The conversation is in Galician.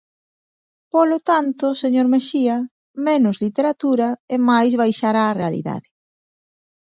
Polo tanto, señor Mexía, menos literatura e máis baixar á realidade.